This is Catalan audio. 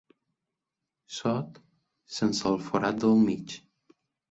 Sot sense el forat del mig.